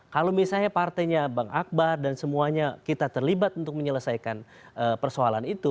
kalau misalnya partainya bang akbar dan semuanya kita terlibat untuk menyelesaikan persoalan itu